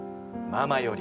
ママより」。